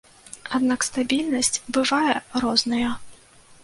Аднак стабільнасць бывае розная.